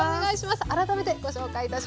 改めてご紹介いたします。